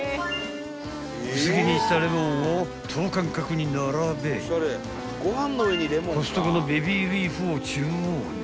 ［薄切りにしたレモンを等間隔に並べコストコのベビーリーフを中央に］